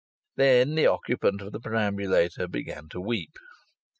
Then the occupant of the perambulator began to weep.